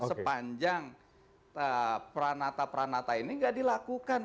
sepanjang peranata peranata ini tidak dilakukan